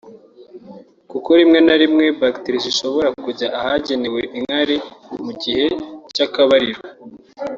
kuko rimwe na rimwe bacteri zishobora kujya ahagenewe inkari mu gihe cy’akabariro